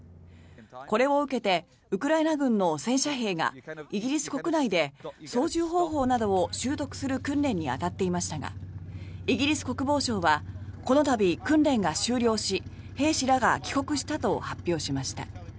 これを受けてウクライナ軍の戦車兵がイギリス国内で操縦方法などを習得する訓練に当たっていましたがイギリス国防省はこの度、訓練が終了し兵士らが帰国したと発表しました。